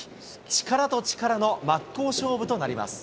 力と力の真っ向勝負となります。